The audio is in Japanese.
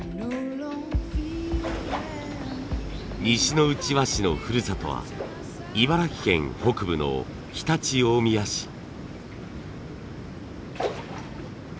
西ノ内和紙のふるさとは茨城県北部の常陸大宮市。